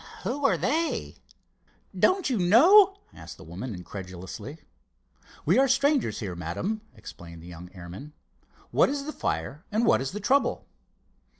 "Who are they?" "Don't you know?" asked the woman, incredulously. "We are strangers here, madam," explained the young airman. "What is the fire and what is the trouble?"